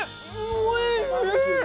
おいしい！！